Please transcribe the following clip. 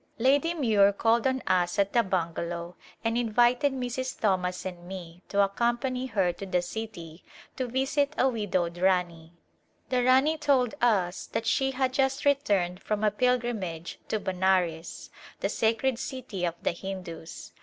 Lady Muir called on us at the bungalow and invited Mrs. Thomas and me to accompany her to the city to visit a widowed Rani. The Rani told us that she had just returned from a pilgrimage to Benares, the sacred city of the Hindus.